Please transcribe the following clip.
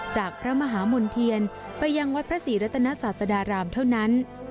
จากพระมหามณ์เทียนไปยังวัดพระศรีรัตนศาสดารามเท่านั้น